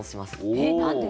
えっ何で？